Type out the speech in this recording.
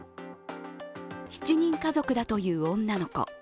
７人家族だという女の子。